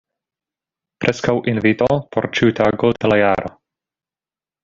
Preskaŭ invito por ĉiu tago de la jaro.